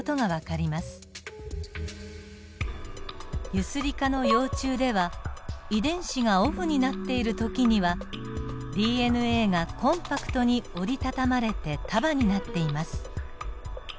ユスリカの幼虫では遺伝子がオフになっている時にはＤＮＡがコンパクトに折りたたまれて束になっています。